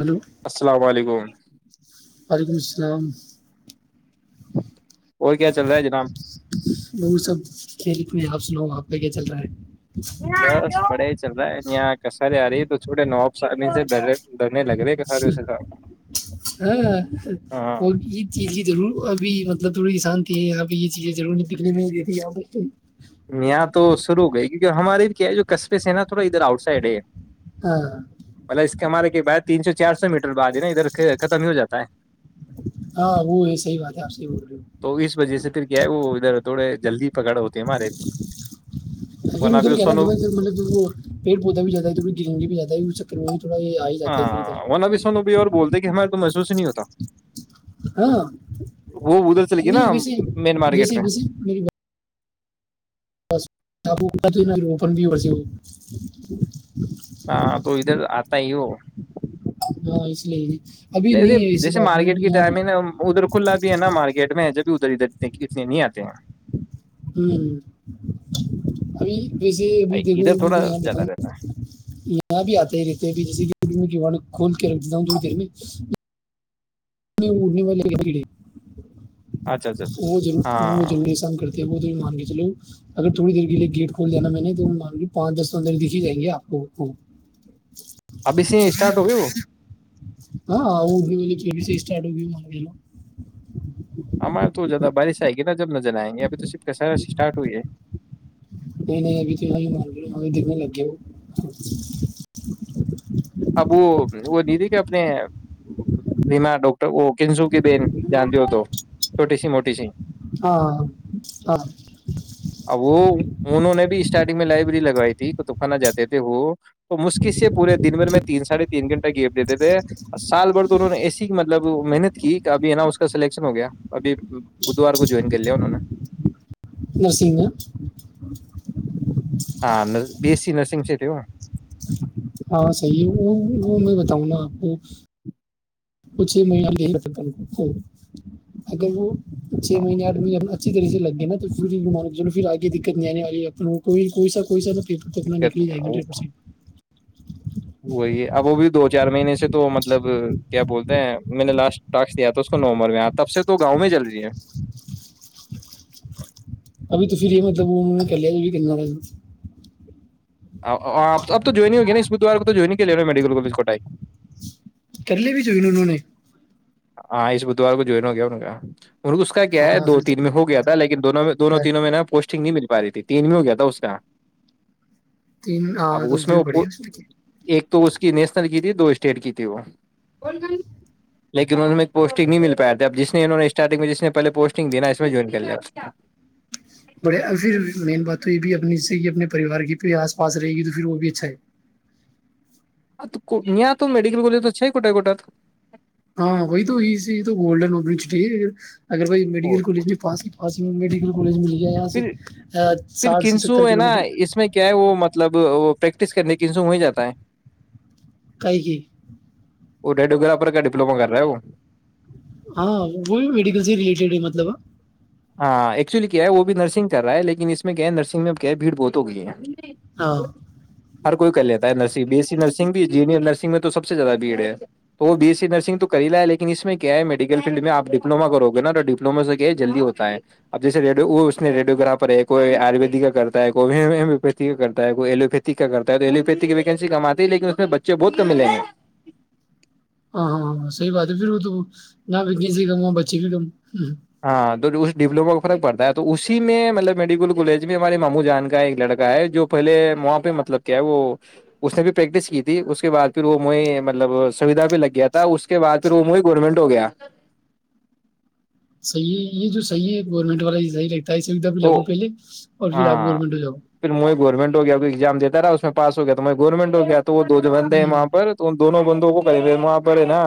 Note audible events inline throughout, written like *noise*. Hello السلام علیکم وعلیکم السلام اور کیا چل رہا ہے جناب وہ سب کھیل اپنے آپ سناؤ آپ کا کیا چل رہا ہے ب پڑے چل رہا کسر آ رہی ہے تو چھوٹے نوابس آ سے درر ہ ہاں وہ یہ چی یہ ضرور ابھی مطلب تھوڑی شانتی ہے یہاں پہ یہ چیزیں ضروری نہیں دکھنے میں گئی تھی یہاں یہاں تو شرو ہو گئی کیونکہ ہمارے کیا ہے جو قصبے سے ہے نا تھوڑا ادھر آؤٹ سائڈ ہے ہاں مطلب اس کے ہمارے کی بیت تین سو چار سو میٹر بعد ہے نا ادھر ختم ہی ہو جاتا ہے ہاں وہ ہے صحیح بات ہے آپ صحیح بول رہے ہو تو اس وجہ سے پھر کیا آئے وہ ادھر تھوڑے جلدی پکڑ ہوتے ہمارے پھر ورنہ ادھر بھی کہہ رہاوں سونو صبح ادھر مطلب وہ پیڑ پودا بھی زیادہ ہے تھوڑی گنگی بھی زیادہ ہے اس چکروی ہاں وہنا بھی سن بھی اور بولتے کہ ہمارے کو محسوس نہیں ہوتا ہاں وہ ادھر چل گئی نا نہیں بیسی مین مارکیٹ بیسی میں بیسی مری آپ اا تو اپن بھی بس وہ ہاں تو ادھر آتا ہی ہو اسلئے نہیں جیسے مارکیٹ کی ٹائمنگ ہے ادھر کھلا بھی ہے نا مارکیٹ میں ج ادھر ادھر ا اتنے نہیں آتے ہیں ہ ابھی ویسے ابھی دیکھو ادھر اب تھوڑا میں یہاں زیادہ بتاؤں رہتا ہے یہاں بھی آتے ہی رہتے ہیں ا جیسے کہ وان کھول کے رکھ دیتا ہوں تھوڑی دیر میں میں اڑنے والے ایک کیڑے اچھا اچھا وہ اچھا وہ ہاں جری سم کرتا وہ تو مان گ چلو اگر تھوڑی دیر کے لیے گیٹ کھول دا میں نے تو مان پانچ دس انر دکھ ہی جائیں گےپ کو ابھی سے اسٹارٹ ہوئی وہ ہاں ا بھی چڈو بھی مگےل ہمار تو زیادہ بارش آئے گی نا جب نظر آئیں گے ابھی تو شف کا سارا اسٹارٹ ہوئی ہے کو نہیں لب تو م د میں لگے وہ اب وہ وہ ددی کہ اپنے رما ڈٹر وہ کنسو کی بین جانتے ہو تو چھوٹی سی موٹی سی ہاں ہاں اب وہ انہوں نے بھی اس اسارٹنگ میں لائبریری لگائی تھی توفانا جے تھے وہ تو مشکس سے پورے دن ب میں تین ساڑھے تین گھنٹہ گیپ دیتے تھے سال بھر تو انہوں نے ایسی مطلب محنت کی کہ ابھی ہے نا اس کا سلیکشن ہو گیا ابھی بدوار کو جوائن کر لیا انہوں نے نرسگ میں ہاں بی ایس سی نرسنگ سے تھ وہ ہاں صحیح ہے وہ وہ میں بتاؤں نا آپ کو وہ چھ مہینے اگر وہ چھ مہینےڈ اچھی طرح سے لگ گے نا تو پھر آگے دت نہیں آنے والی کو کوئیا کو سا کتنا دقت نکل نہیں جائے گا ہے ہنڈریڈ پرسینٹ *inaudible* وہی اب وہ بھی دو چار مہینے سے تو مطلب کیا بولتے ہیں میں نے لاسٹ ٹس دیا تھا اس کو نومبر میں آ تب سے تو گاؤں میں چل رہی ہے ابھی تو پھر یہ مطلب ان کر لیا جنا اب تو جوائن ہی ہوگی نا اس بدوار کو تو جوائن ہی کے لے رہے ہیں میڈیکل کالج کوٹائی کر لیے بھی جوئی ن انہوں نے ہاں اس بدھوار کو جو ن ہو گیا کیا اس کا کیا ہے ہاں پھر دو تو تین میں ہو گیا تھا بڑھیا لیکن دونوں میں دونوں تینوں میں نا پوسٹنگ نہیں مل ی تھی تین بھی ہو گیا تھا اس کا تین اب تو اس میں جو وہ بڑے پو- ہیں اس میں کے ایک تو اس کی نیشنل کی تھی دو اسٹیٹ کی تھی وہ لیکن انہ میں ایک پوسٹنگ نہیں مل پایا تھا اب جس نے انہوں نے اسٹارٹنگ میں جس نے پہے پوسٹنگ دی نا اس میں جوائن کر لیا بڑے پھر مین بات تو یہ بھی اپنی سے ہی اپنے پریوار کی پ آس پاس رہے گی تو پھر وہ بھی اچھا ہے ا کو م آ تو میڈیکل کالجچ ہے کٹے کوٹت ہاں وہی تو یہ یہ تو گولڈن ابن چٹی اگر و اور میڈیکل کیا۔ کالج میں پاس ہی پا میڈیکل کالج یہاں سے پھر پھر ساٹھ سے کنسو ستر ہے کلو نا میٹر اس میں کیا ہے وہ مطلب وہ پریکٹس کرنے کے انسوم ہو جاتا ہے کائی کہ وہ ڈیڈیو گرافر کا ڈپلوما کر رہا ہے وہ ہاں وہ بھی میڈیکل سے ریلیٹڈ ہے مطلب ہاں ایکچولی کیا ہے وہ بھی نرسنگ کر رہا ہے لیکن اس میں کیا ہے نرسنگ میں کیا ہے بھیڑ بہت ہو گئی ہے ہاں ہر کوئی کر لیتا ہے nursing B E C nursing بھی انجینئر نسگ میں تو سب سے زیادہ بی ایڈ ہے تو وہ بی ایس سی نرسن تو ہی لا لن اس میں کیا ہے مڈیکل فیلڈ میںپ ڈپلوا کروے نا ڈپلووما کیا ہے جلدی ہو اب جیے ریو وہ اس ریڈیوگرافر ہے کوئی آیویدک کا کرتا ہے کوو کا کرتا ہے کوئی ایوپتھ کا کرتا ہے تو ایوپیت کی ویکینسی کم آتی ہے لیکن اس میں بچے بہت کم ملیں گے ہاں ہاں ہاںاں صحی بات ہے پھر وہ تو نہ وکن سے ہی ک بچے بھی کم *unintelligible* توح یہ جو سح ہے گورنمٹ والا یہ صحی اسائی سیدا بھی تو لگو پے ہاں پھر م ب منٹ ہو گ کوگزام دیتا رہا اس میں پس ہو گ تو میں گورنمٹ ہو گیا وہ دو جو بندے ہیں ہوں وہاں پر تو ان دونوں بند کو کریں وہاں پر ہے نا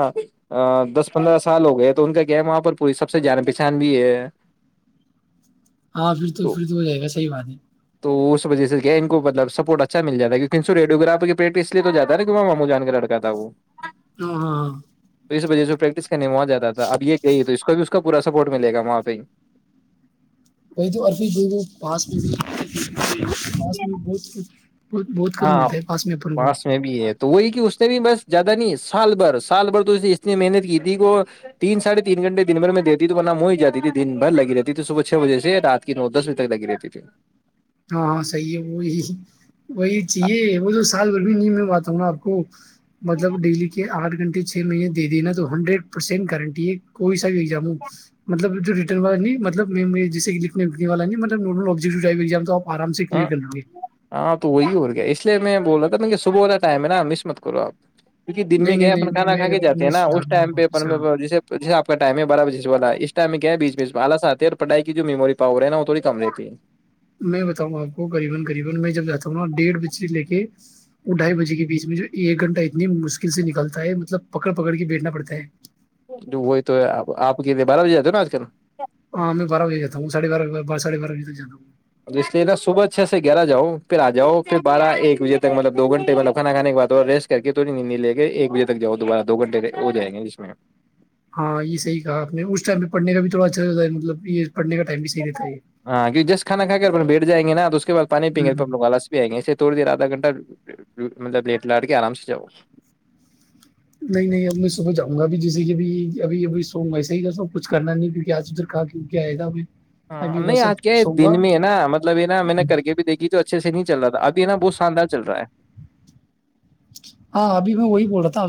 دس پندرہ سال ہو گئے تو ان کا کیا ہے وہاں پر پوری سب سے جان پہچان بھی ہے ہاں پھر تو پھر تو ہو جائے گا صحیح بات ہے تو اس وجہ سے کیا ان کو مطل سپورٹ اچھا ملاتا ہے کیونکہ ان سےو ریو گرافر پیٹ اس لیے تو جاتا ہے ن کہ وہاں مامو جان کے لڑکا تھا وہ ہ ہاںاں تو بجے پ پریکس نہیںو جاتا تھا اب یہ کہئی تو اس کو بھی کا پورا سپورٹ ملے گا وہاں پہ ہی وہی تو اور وہ پاس میں بھی مس میں بہت کچھ ہاں پاس میں بھی ہے تو وہی کہ اس اس بھی بس زیادہ نہیں سال بھر سال بھر تو است نے محنت کی تھی وہ تین ساھے تین گنٹے دن بھر میں دیتی تو ن مو ہی جاتی تھی دن بھر لگی رہتی ت تو صبح چھ بجے سے رات کی نو دس بجے تک لگی رہتی تھی ہاں ہاں صحیح ہے وہی وہی چاہیے وہ تو سال بھر بھی نہیں میں بات ہوںا آپ کو مطلب ڈیلی کے آٹھ گھنٹے چھ مہینے دے دینا تو ہنڈریڈ پرسینٹ گارنٹی ہے کوئی *unintelligible* والا نہیں مطلب میں جیس کہ لکھنے لکھنے والا ملب ن آبجیکووڑایپ ہ ہاں تو وہی ہو گیا اس اسے میں بول رہا تھا م صبح والا ٹائم ہے نا مس مت کرو آپ کیہ دن نہیں میں کیا نہیں ہے نہیں اپن کھا میں کھا کے جے ہیں میں نا اس سدھاروں گا ٹائم پہ واپس ہاں ج جیسے آ کا ٹائم ہے بارہ بجے والا اس ٹائم میں کیا ہے بیچ میں آالس آتے ہے اور پڑھائی کی جو مموری پاور ہے نا وہ تھوی کم رہتی ہے میں بتاؤں گا اپ کو قریبا قریبا ڈیڑھ بجے سے لے کے ڈھائی بجے کے بیچ میں جو ایک گھنٹہ اتنی مشکل سے نکلتا ہے کی پکڑ پکڑ کے بیٹھنا پڑتا ہے وہی تو ہےپ آپ کے بارہ بجے جاتے نا آج کل ہاں میں بارہ بجےاتتا ہوںاھ بار باراھے بار بجے تک جا ہوں اس لیے نا صبح چھ سے گیارہ جاؤ پھر آ جاؤ پھر بارہ ایک بجے تک مطلب دو گھنٹے مطلبھانا کھے کے بعد ریسٹ کر کے تھڑی نی لے کے ایک بجے تک جا دوبارہ دو گھنٹے ہو جائ گے جس میں پڑنے کا بھی تھوا اچھا رہتا ہے مطلب یہ پڑھنے کا ٹائم بھی صحیح رہتا ہے یہ ہاں کی جس کھا کھا کے اپنے بیٹھ جائیں گے ن تو اس کے بع پانی پئیں گے تووگ آلس بھی آئیں گے اسےوڑ دے آھا گھنٹہ مطلب وٹ ل آٹ کے آرامس جگ نہیں نہیں اب میں صبح جاؤں گابھی جیسے کہ بھیب ابھی ابھی سو ویسا ہی تھاا س کچھ کرنا نہیں ہے کیکہ آج ادھر کا کیوں کیا آئے گا اب ہاں نہیں آج کیا ہے دن میں ہے نا مطلب یہ نا میں نے کر کے بھی دیکھی تو اچھے سے نہیں چل رہا تھا آج دینا بہت شاندار چل رہا ہے ہاں ابھی میں وہی بول رہا تھا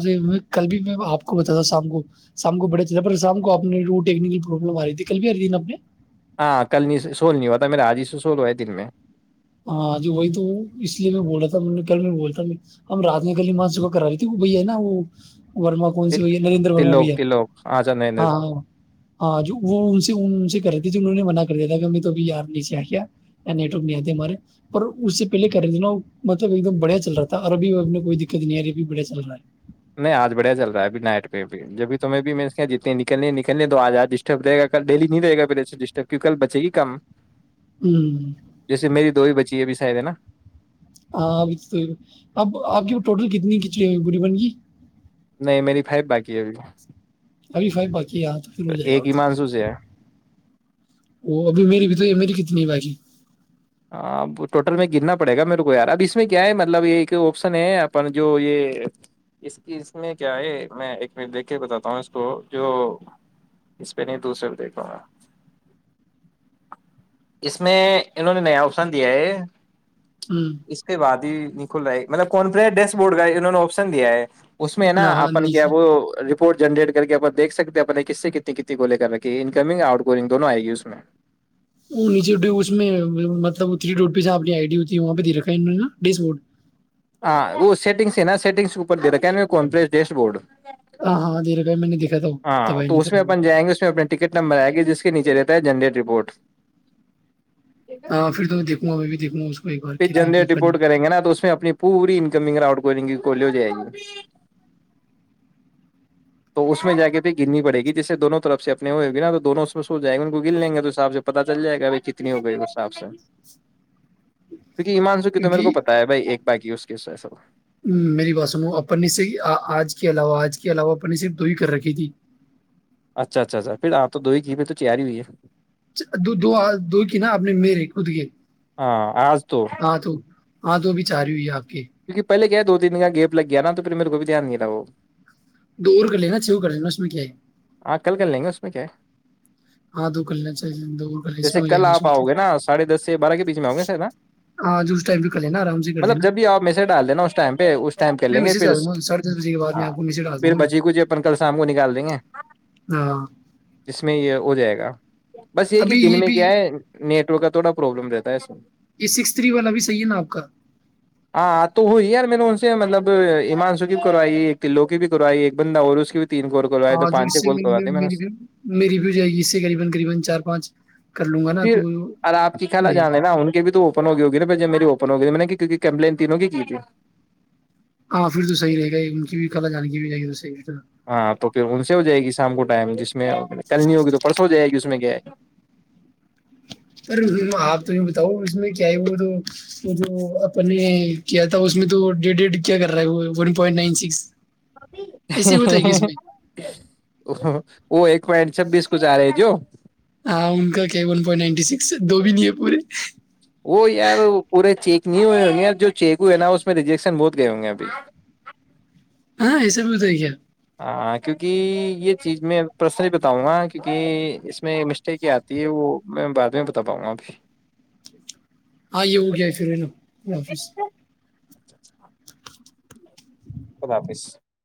کل بھی میں آپ کو بتاا ہ شام کو شام کو بڑے چ شام کو یکل پرلم آ رہی تھی کل بھی ہر دن اپنے ہاں کل نہیں سول نہیں ہواتا میرا حاج ہی سے سول ہوا دن میں ہاں جی وہی تو اس لیے میں بول رہا تھا کل میں بول تھا ہم رات میں کلی ماں صح کرا لیی تھی وہ بھ ہے نا وہ ورما کون سے تل- بھیا نریندر ورما تلوک بھیا تلوک آج نریندر ہاں ہاں ہاں جو وہ ان سے ان سے کرتی تھی انہوں نے من کر دییا تھا کہمی توبھییار نیے آ کیا یایٹ ورک نہیں آتا ہمارے پر اس سے پہلے کیا رہے تھ نا مطلب ایک دم بڑھیا چل رہا تھا اربی وب میں کوئی دقت نہیں آ رہی ابھی بڑھیا چل رہا ہے نہیں آج بھیا چل رہا ہےبھی نائٹہ بھی جبھی تمیں بھیھی میں نے کہ جتتےنے نکل نکلنے تو آج آج ڈسٹر رہے گا کل ڈیلی نہیں رہے گا پھر ایے ڈسٹرب کیک کل بچے گی کم ہوں جیسے میری دو ہی بچی یہ بھی *unintelligible* ہاں اب تو اب آپ کی ٹوٹل کتنی کھچڑی بی بن کی نہیں میری فائف باقی ہے ابھی خالی فائو باقی ہے جی ہاں تو پھر ہو جائے گاؤ ایک ایمانسو سے ہے وہ ابھی میری بھی تو میری کتنی باقی ب ٹوٹل میں گرنا پڑے گا میرے کو یار اب اس میں کیا ہے مطلب یہ ایک آپشن ہے اپن جو یہ اس اس میں کیا ہے میں ایک مٹ دیکے بتاتا ہوں اس کو جو اس پہ نہیں دوسرے دیکھوں گا اس میں انہوں نے نیا آوسان دیا ہے ہوں اس کے بعد ہی کھلا ہے مطلب کون پ ہے ڈیش بورڈ کا انہوں نے آپشن دیا ہے اس میں نا ہاں ہاں اپن کیا نیچے وہ جنریٹ کر کے اپ دھ سکتے ہیں اپنے کس سے کتنی کتنی کو لے کر رکھی انکمنگ آؤٹ گوئنگ دونوں آئے گی اس میں وہ نیچے اس میں مطلب تھری ڈ پی سےانی آئی ڈی ہوتی ہے وہاں پہ دے رکھا ہےا ڈیش بورڈ ہاں وہ سیٹنگس ہے نا سیٹنگس اوپ دے رہا کی ی کو پس ڈیش بورڈ ہاں ہاں دے رکھا ہے میں نے دیکھا تھا وہ ہاں تباہی تو نہیں اس تھا میں اپن جائیں گے اس میں اپنے ٹکٹ نمبر آئے گے جس کے نیچے رہتا ہے جنریٹ رپورٹ ہاں پھر تو میں دیکھوں گا ا میں بھی دیکھوں گا اس کو ایک بار پ کتنے کی جنند اپن رپورٹ کریں گے نا تو اس میں اپنی پوری ک گی کو ہو جائے گی تو اس میں جا کے پ گننی پڑے گی جیسے دونوں طرف سے اپنے ہو گی نا تو دونوں اس میں سو جائے گے ان کو گن لیں گے تو حاب سے پتا چل جائے گا ب کتنی ہوگئی حساب سے کیونکہ ایمان سو کی تو میرے کو کیونکہ پتا ہے بائی ایک باقی اس کےس سےصل میری ب سنو اپ سے آج کے علاوہ آج کے علاوہ اپن نے صرف دو ہی کر رکھی تھی اچھا اچھا اچھا پھر آپ تو دو ہی گھیم میں تو تیاری ہوئی ہے دو دو دو کی نا اپنے میرے خود کے ہاں آج ہاں تو ہاں تو بھی چاہ رہی ہوئی ہے آپ کے کیکہے دو تینن کا گیپ لگ گیا ن تو پھر میرے کوئی بھی دھیان نہیں رہاو دور کر لینا چو کر لینا اس میں کیا ہے آاں کل کر لیں گے اس میں کیا ہے ہاں دو کر لینا چاہیے دو اور کر لینا اس جیسے میں ہو جائے کل گا اس آپ میں آؤ گے نا ساڑھے دس سے بارہ کے بیچ میں آؤ گے سارید ن ہاں جو اس ٹائم پہ کر لینا آرام سے کر مطلب لینا جب بھی آپ میسج ڈال د نا اس ٹائم پہ اس ٹائم کر میں لیں گے میسج پھر ڈال دوں گا ساڑھے دس بجے کے بعد میں ہاں آپ کو میسج ڈال دوں پھر گا میں بچی کو جین کل شام کو نکال دیں گے ہاں اس میں ہو جائے گا بس یہی کہ ابھی دن یہ میں بھی کیا ہے نیٹ کا تھوا پرابلم رہتا ہے اس میں یہ سکس تھری والا بھی صحیح ہے نا آپ کا ہاں تو وہی یار میں نے ان سے مطلب ایمان سو کی بھی کروائی ہے ایک قلوں کی بھی کروائی ایک بندہ اور اس کی بھی تین کوور کوائے تو پانچ چھ کال کرواتے میں نے اس سے۔ پھر اور آپ کی خالہ *inaudible* ہو گئی میں نے کیک کمپلین تینوں کی کی تھی ہاں پھر تو صحی رہے گا ان کی بھی کلا جان کی بھی رہے گی تو صحی ہاں تو پھر ان سے ہو جائے گی شام کو پم جی اس میں کل نہیں ہوگی تو پرس ہو جائے گی اس میں کیا ہے پر آپ بتاؤ اس میں کیا ہے وہ تو وہ جو اپنے کیا تھا اس میں تو ڈی ڈی کیا کر رہا ہے وہ ون پوائنٹ نائن سکس ایسے ہوتا ہے کہ اس میں وہ ایک پوینٹ سھ بیس کچھ آ رہے ہے جو ہاں ان کا کیان پوائنٹ نائنٹی سکس دو بھی نہیں ہے پورے وہ یار پورے چیک نہیں ہوئے ہوں گے جو چیک ہوئے نا اس میں ریجیکشن بہت گئے ہوں گے ابھی ہاں ایسا بھی ہوت ہے کیا ہاں کیونکہ یہ چیز میں پرسنلی بتاؤں گا کیوںکہ اس میں مسٹیک یہ آتی ہے وہ میں بعد میں بتا پاؤں گا ابھی ہے ہو گیا ہے پھر ہے نا اللہ حافظ اچھا اچھا تود حافظ